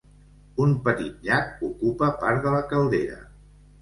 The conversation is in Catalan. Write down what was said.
Un petit llac ocupa part de la caldera.